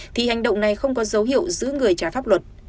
thì hành động này không có dấu hiệu giữ người trái pháp luật